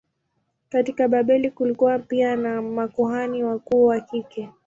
Katika Babeli kulikuwa pia na makuhani wakuu wa kike.